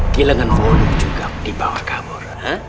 gilangan volume juga dibawa kabur